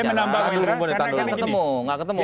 saya menambahkan karena